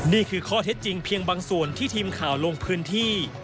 นี่คือข้อเท็จจริงเพียงบางส่วนที่ทีมข่าวลงพื้นที่